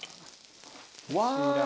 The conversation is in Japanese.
うわ。